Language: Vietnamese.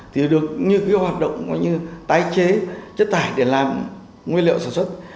thì được những hoạt động tài chế chất tải để làm nguyên liệu sản xuất